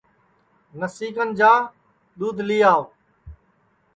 نسی کن جا دؔودھ لی آو